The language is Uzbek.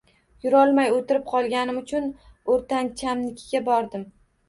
Yurolmay o`trib qolganim uchun o`rtanchamnikiga bordim